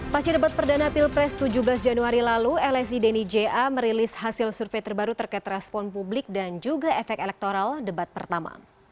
pasca debat perdana pilpres tujuh belas januari lalu lsi denny ja merilis hasil survei terbaru terkait respon publik dan juga efek elektoral debat pertama